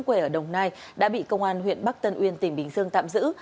quê ở đồng nai đã bị công an huyện bắc tân uyên tỉnh bình dương tạm giữ